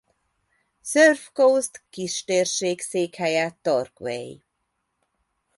Surf Coast kistérség székhelye Torquay.